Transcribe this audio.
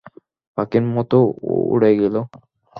পাখির মতো উড়ে গেলো।